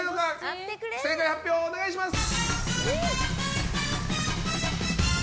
正解発表お願いします！